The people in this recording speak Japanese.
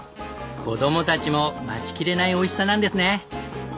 子どもたちも待ちきれないおいしさなんですね。